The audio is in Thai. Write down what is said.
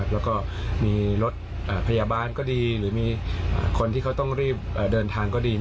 แล้วก็มีรถพยาบาลก็ดีหรือมีคนที่เขาต้องรีบเดินทางก็ดี